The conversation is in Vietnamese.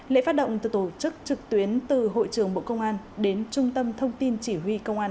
lễ phát động từ tổ chức trực tuyến từ hội trưởng bộ công an đến trung tâm thông tin chỉ huy công an